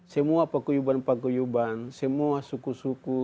semua pekuyuban pekuyuban semua suku suku